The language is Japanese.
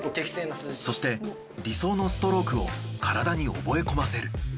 そして理想のストロークを体に覚え込ませる。